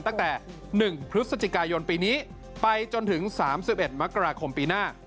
ตั้งแต่๑พฤศจิกายนปีนี้ไปจนถึง๓๑มกราคมปีหน้า